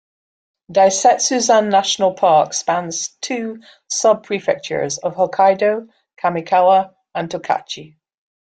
Daisetsuzan National Park spans two subprefectures of Hokkaidō, Kamikawa and Tokachi.